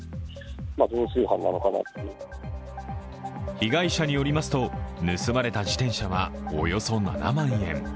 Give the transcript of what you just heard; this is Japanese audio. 被害者によりますと盗まれた自転車はおよそ７万円。